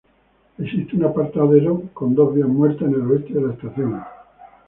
Existe un apartadero con dos vías muertas en el oeste de la estación.